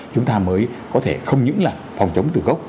chúng ta mới có thể không những là phòng chống từ gốc